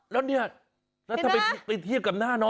แล้วเนี่ย